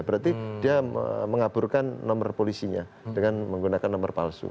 berarti dia mengaburkan nomor polisinya dengan menggunakan nomor palsu